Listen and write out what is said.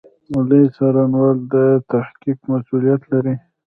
لوی څارنوالي د تحقیق مسوولیت لري